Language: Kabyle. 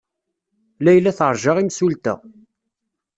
Layla teṛja imsulta.